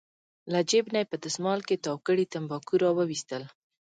له جېب نه یې په دستمال کې تاو کړي تنباکو راوویستل.